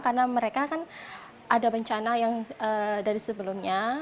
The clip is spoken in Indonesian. karena mereka kan ada bencana yang dari sebelumnya